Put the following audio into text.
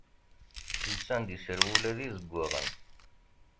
Lsan-d iserwula d izeggaɣen.